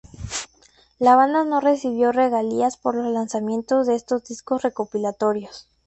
La banda no recibió regalías por los lanzamientos de estos discos recopilatorios.